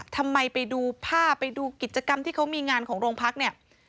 ไปดูภาพไปดูกิจกรรมที่เขามีงานของโรงพักเนี่ย